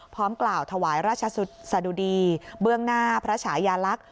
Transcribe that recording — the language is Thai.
กล่าวถวายราชสะดุดีเบื้องหน้าพระฉายาลักษณ์